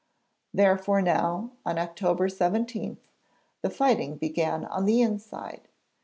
Therefore now, on October 17, the fighting began on the inside.